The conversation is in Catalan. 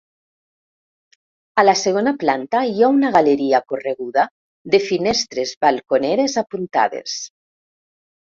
A la segona planta hi ha una galeria correguda de finestres balconeres apuntades.